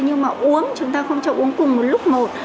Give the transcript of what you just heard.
nhưng mà uống chúng ta không cho uống cùng một lúc một